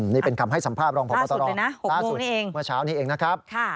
นี่เป็นคำให้สัมภาพรองพบตรล่าสุดเมื่อเช้านี้เองนะครับ